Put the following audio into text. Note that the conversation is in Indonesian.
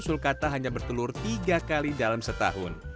sulkata hanya bertelur tiga kali dalam setahun